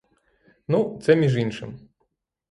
Ну, це між іншим.